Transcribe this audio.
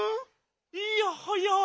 いやはや！